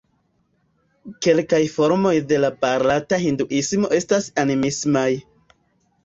Kelkaj formoj de la barata Hinduismo estas animismaj.